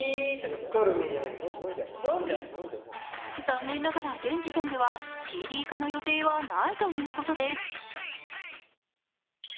残念ながら現時点ではＣＤ化の予定はないということです。